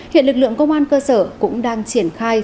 hiện lực lượng công an cơ sở cũng đang triển khai